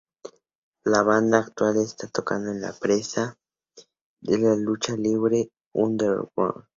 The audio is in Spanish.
La banda actualmente está tocando para la empresa de lucha libre Lucha Underground.